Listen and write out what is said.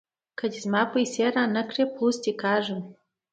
که دې زما پيسې را نه کړې؛ پوست دې کاږم.